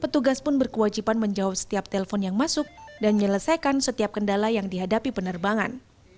tapi juga menghubungi setiap telepon yang masuk dan menyelesaikan setiap kendala yang dihadapi penerbangan